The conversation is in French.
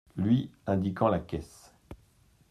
Lui indiquant la caisse.